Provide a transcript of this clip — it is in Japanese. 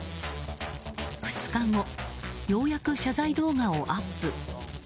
２日後ようやく謝罪動画をアップ。